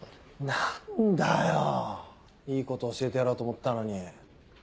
何だよいいこと教えてやろうと思ったのに。